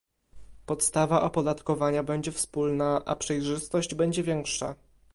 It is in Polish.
Podstawa opodatkowania będzie wspólna, a przejrzystość będzie większa